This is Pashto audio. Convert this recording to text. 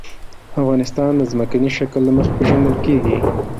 افغانستان د ځمکنی شکل له مخې پېژندل کېږي.